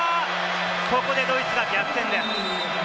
ここでドイツが逆転です。